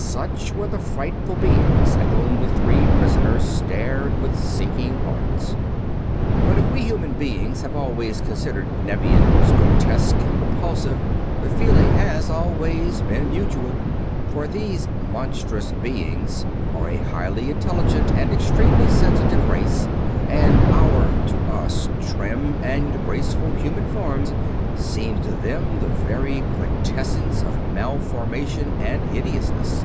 Such were the frightful beings at whom the three prisoners stared with sinking hearts. But if we human beings have always considered Nevians grotesque and repulsive, the feeling has always been mutual. For those "monstrous" beings are a highly intelligent and extremely sensitive race, and our to us trim and graceful human forms seem to them the very quintessence of malformation and hideousness.